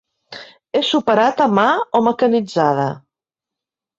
És operat a mà o mecanitzada.